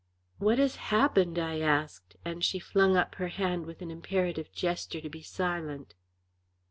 "What has happened?" I asked, and she flung up her hand with an imperative gesture to be silent.